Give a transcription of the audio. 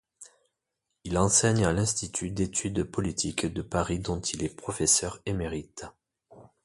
Il enseigne à l'Institut d'études politiques de Paris dont il est professeur émérite.